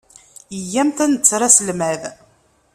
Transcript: Iyyamt ad netter aselmad.